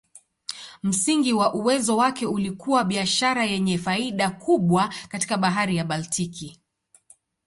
Msingi wa uwezo wake ulikuwa biashara yenye faida kubwa katika Bahari ya Baltiki.